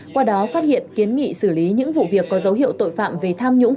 qua đó phát hiện kiến nghị xử lý những vụ việc có dấu hiệu tội phạm về tham nhũng